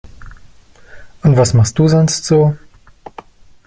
Und was machst du sonst so?